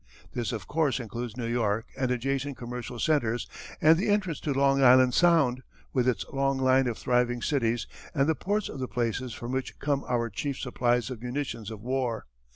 This of course includes New York and adjacent commercial centres and the entrance to Long Island Sound with its long line of thriving cities and the ports of the places from which come our chief supplies of munitions of war.